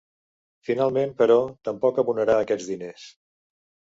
Finalment, però, tampoc abonarà aquests diners.